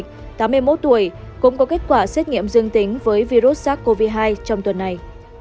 nữ hoàng margaret tám mươi một tuổi cũng có kết quả xét nghiệm dương tính với virus sars cov hai trong tuần này